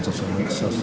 apa di situ